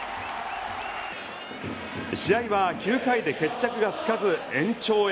試合は９回で決着がつかず延長へ。